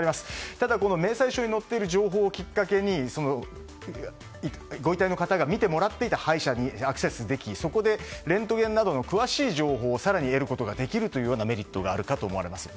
ただ、明細書に載っている情報をきっかけにご遺体の方が診てもらっていた歯医者にアクセスでき、そこでレントゲンなどの詳しい情報を更に得ることができるというメリットがあるかと思われます。